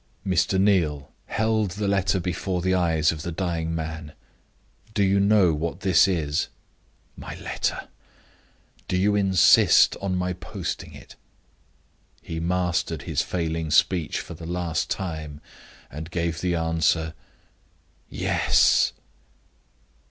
Mr. Neal held the letter before the eyes of the dying man "Do you know what this is?" "My letter." "Do you insist on my posting it?" He mastered his failing speech for the last time, and gave the answer: "Yes!"